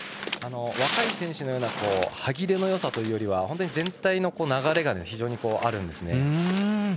若い選手のような歯切れのよさというよりは全体の流れが非常にあるんですね。